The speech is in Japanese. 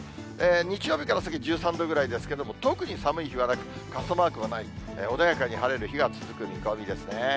日曜日から先１３度ぐらいですけれども、特に寒い日はなく、傘マークがない、穏やかに晴れる日が続く見込みですね。